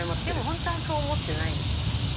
でも本当はそう思ってないですよね